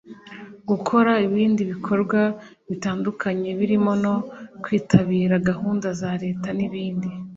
gukora ibindi bikorwa bitandukanye birimo no kwitabira gahunda za Leta n’ibindi